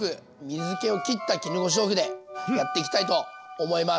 水けを切った絹ごし豆腐でやっていきたいと思います。